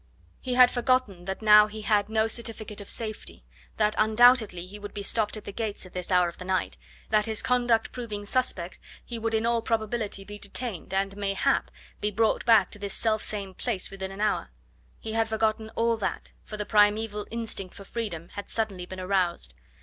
He had forgotten that now he had no certificate of safety, that undoubtedly he would be stopped at the gates at this hour of the night; that his conduct proving suspect he would in all probability he detained, and, mayhap, be brought back to this self same place within an hour. He had forgotten all that, for the primeval instinct for freedom had suddenly been aroused.